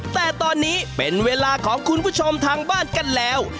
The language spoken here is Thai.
แต่ตอนนี้เป็นเวลาของคุณผู้ชมทางบ้านกันแล้ว